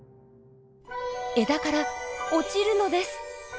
枝から落ちるのです。